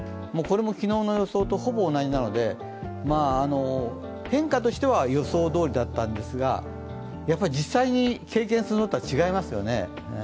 これも昨日の予想とほぼ同じなので、変化としては予想どおりだったんですが、実際に経験するのとは違いますよね。